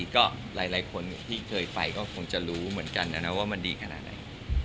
ก็หลายคนที่เคยไปก็คงจะรู้เหมือนกันนะว่ามันดีขนาดไหน